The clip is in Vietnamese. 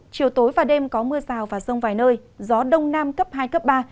chiều tối và đêm có mưa rào và rông vài nơi gió đông nam cấp hai cấp ba